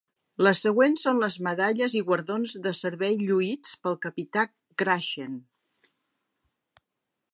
Les següents són les medalles i guardons de servei lluïts pel Capità Cragen.